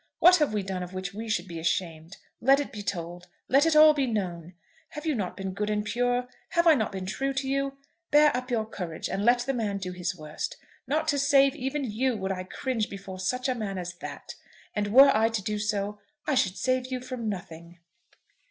What have we done of which we should be ashamed? Let it be told. Let it all be known. Have you not been good and pure? Have not I been true to you? Bear up your courage, and let the man do his worst. Not to save even you would I cringe before such a man as that. And were I to do so, I should save you from nothing."